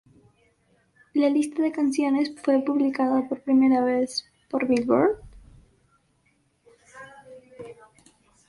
La lista de canciones fue publicada por primera vez por "Billboard".